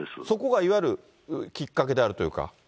そこがいわゆる、きっかけであるというか。